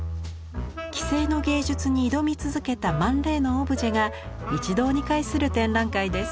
既成の芸術に挑み続けたマン・レイのオブジェが一堂に会する展覧会です。